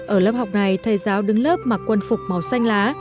ở lớp học này thầy giáo đứng lớp mặc quân phục màu xanh lá